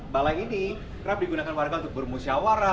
balai ini kerap digunakan warga untuk bermusyawarah